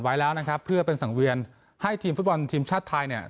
ไว้แล้วนะครับเพื่อเป็นสังเวียนให้ทีมฟุตบอลทีมชาติไทยเนี่ย